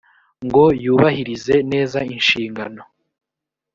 ngo yubahirize neza inshingano